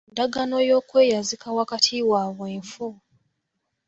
Endagaano y'okweyazika wakati waabwe nfu.